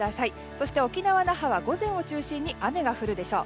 そして沖縄・那覇は午前を中心に雨が降るでしょう。